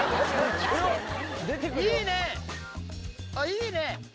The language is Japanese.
いいね！